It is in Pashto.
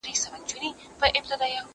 زه به زده کړه کړي وي!؟